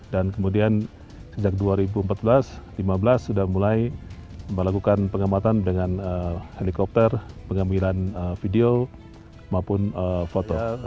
dan kemudian sejak dua ribu empat belas dua ribu lima belas sudah mulai melakukan pengamatan dengan helikopter pengamilan video maupun foto